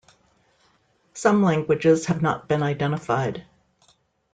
Some languages have not been identified.